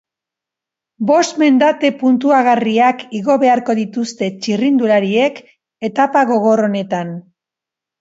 Bost mendate puntuagarriak igo beharko dituzte txirrindulariek etapa gogor honetan.